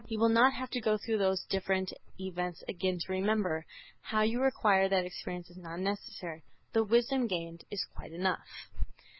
You will not have to go through those different events again to remember; how you acquired that experience is not necessary; the wisdom gained is quite enough.